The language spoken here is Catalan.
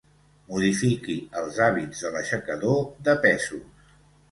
Modifiqui els hàbits de l'aixecador de pesos.